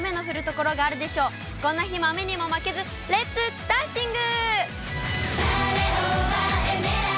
こんな日も雨にも負けず、レッツ・ダンシング！